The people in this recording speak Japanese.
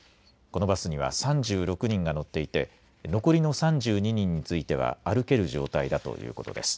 このバスには３６人が乗っていて残りの３２人については歩ける状態だということです。